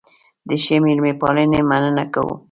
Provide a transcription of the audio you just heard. د ښې مېلمه پالنې مننه کوو.